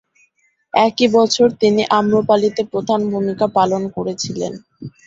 একই বছর তিনি "অম্রপালি"তে প্রধান ভূমিকা পালন করেছিলেন।